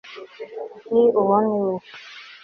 l Uwo ni we